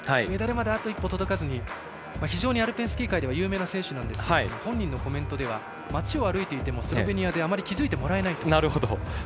メダルまであと一歩届かずに非常にアルペンスキー界では有名な選手なんですが本人のコメントでは街を歩いていても、スロベニアであまり気付いてもらえないと。